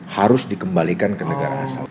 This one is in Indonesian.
harus dikembalikan ke negara asal